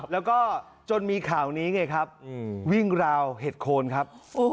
แล้วก็จนมีข่าวนี้ไงครับวิ่งราวเห็ดโคนครับ